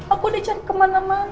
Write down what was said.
aku dicari kemana mana